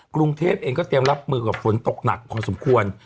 กรุงเทพเองก็เตรียมรับมือกับฝนตกหนักพอสมควร